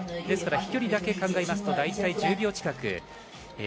ですから飛距離だけで考えますと大体１０秒近く